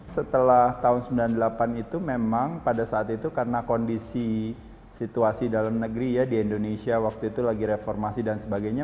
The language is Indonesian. setelah tahun sembilan puluh delapan itu memang pada saat itu karena kondisi situasi dalam negeri ya di indonesia waktu itu lagi reformasi dan sebagainya